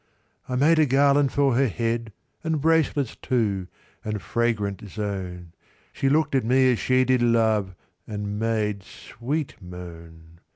V.I made a garland for her head, And bracelets too, and fragrant zone; She look'd at me as she did love, And made sweet moan.